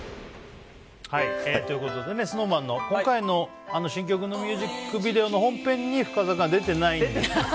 ＳｎｏｗＭａｎの今回の新曲のミュージックビデオの本編に深澤君は出てないんだけど。